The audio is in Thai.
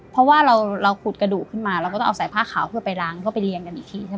เพราะว่าเราขูดกระดูกขึ้นมาเราก็ต้องเอาสายผ้าขาวไปล้างไปเรียงกันอีกที